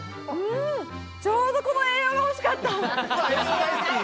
ちょうどこの栄養が欲しかった。